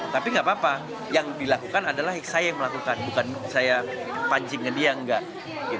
tapi nggak apa apa yang dilakukan adalah saya yang melakukan bukan saya pancing ke dia enggak